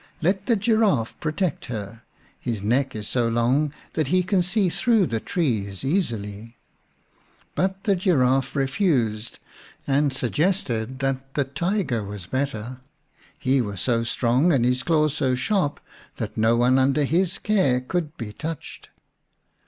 Let the Giraffe protect her ; his neck is so long that he can see through the trees easily." But the Giraffe refused, and suggested that 7 the\Tiger was better. He was so strong and his claws so sharp that no one under his care would be touched.